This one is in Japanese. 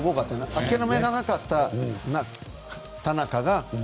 諦めなかった田中が。